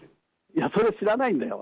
それ、知らないんだよ。